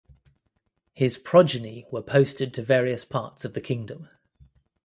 His progeny were posted to various parts of the kingdom.